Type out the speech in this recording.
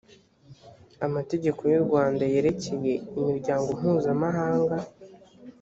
amategeko y’ u rwanda yerekeye imiryango mpuzamahanga.